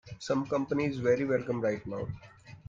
Some company is very welcome right now.